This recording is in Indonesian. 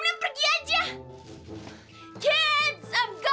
aku mending pergi aja